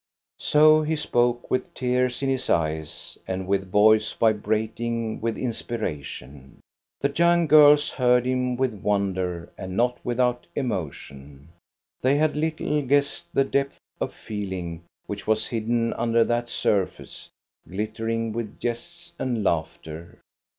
r So he spoke, with tears in his eyes, and with voice 328 THE STORY OF GOSTA BERLING vibrating with inspiration. The young girls heard him with wonder and not without emotion. They had little guessed the depth of feeling which was hidden under that surface, glittering with jests and laughter.